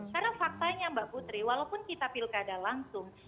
karena faktanya mbak putri walaupun kita pilkada langsung